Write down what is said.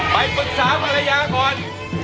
ไปปรึกษาภรรยาก่อน